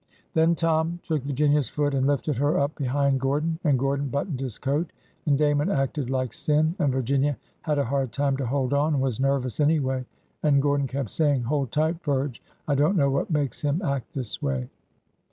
Then Tom took Virginia's foot and lifted her up behind Gordon, and Gordon buttoned his coat, and Damon acted like sin,— and Virginia had a hard time to hold on, and was nervous, anyway, and Gordon kept saying: Hold tight, Virge ! I don't know what makes him act this way."